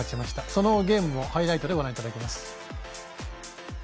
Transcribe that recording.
そのゲームもハイライトでご覧いただきます。